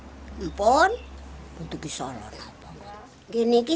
sekarang saya sudah sakit juga